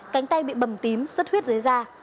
cánh tay bị bầm tím suốt huyết dưới da